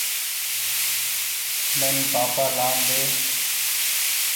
مين پآپآ لآن ۮي۔